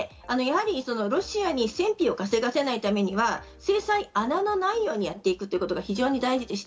ロシアに戦費を稼がせないために、制裁、穴のないようにやっていくことが非常に大事です。